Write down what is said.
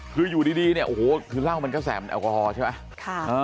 คืออยู่ดีเนี่ยโอ้โหคือเหล้ามันก็แสบแอลกอฮอล์ใช่ไหม